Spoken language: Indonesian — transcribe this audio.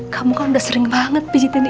kamu kan udah sering banget pijetin ibu